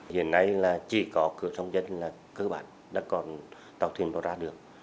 hiện nay là chỉ có cửa sông dân là cơ bản đã còn tàu thuyền đó ra được